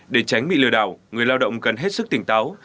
để tránh bị lừa đảo người lao động cần hết sức tỉnh táo